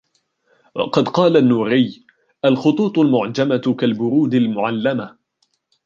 وَقَدْ قَالَ النُّورِيُّ الْخُطُوطُ الْمُعْجَمَةُ كَالْبُرُودِ الْمُعَلَّمَةِ